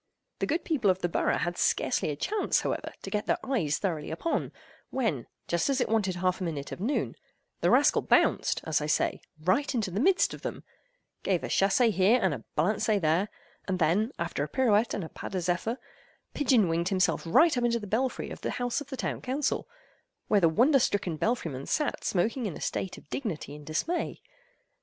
The good people of the borough had scarcely a chance, however, to get their eyes thoroughly open, when, just as it wanted half a minute of noon, the rascal bounced, as I say, right into the midst of them; gave a chassez here, and a balancez there; and then, after a pirouette and a pas de zephyr, pigeon winged himself right up into the belfry of the House of the Town Council, where the wonder stricken belfry man sat smoking in a state of dignity and dismay.